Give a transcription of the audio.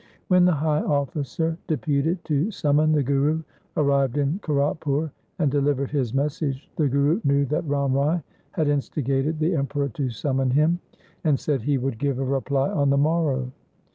When the high officer deputed to summon the Guru arrived in Kiratpur and delivered his message, the Guru knew that Ram Rai had instigated the Emperor to summon him, and said he would give a reply on the morrow.